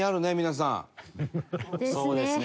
そうですね。